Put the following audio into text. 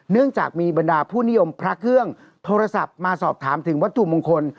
เนื่องจากมีบรรดาผู้นิยมพระเครื่องโทรศัพท์มาสอบถามถึงวัตถุมงคล